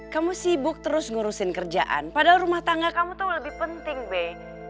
kamu sibuk terus ngurusin kerjaan padahal rumah tangga kamu tuh lebih penting be